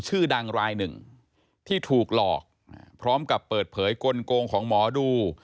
ชื่อดังรายหนึ่งที่ถูกหลอกพร้อมกับเปิดเผยกลงของหมอดู